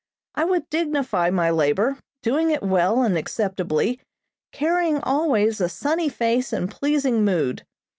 I would dignify my labor, doing it well and acceptably, carrying always a sunny face and pleasing mood.